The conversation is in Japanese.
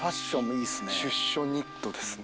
出所ニットですね。